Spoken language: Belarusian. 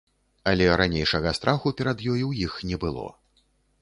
Але ранейшага страху перад ёю ў іх не было.